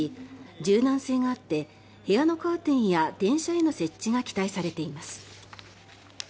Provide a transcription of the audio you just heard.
柔軟性があって部屋のカーテンや電車への設置が期待されています。